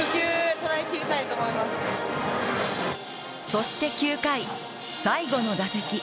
そして９回、最後の打席。